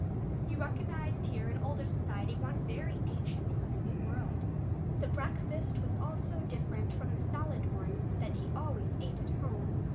He recognized here an older society, one very ancient for the New World. The breakfast was also different from the solid one that he always ate at home.